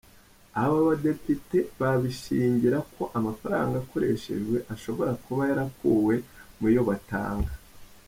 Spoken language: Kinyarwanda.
Aba badepite babishingira ko amafaranga yakoreshejwe ashobora kuba yarakuwe mu yo batanga.